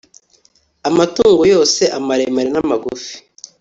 amatungo yose, amaremare n'amagufi